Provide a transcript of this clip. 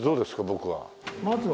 僕は。